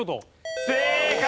正解。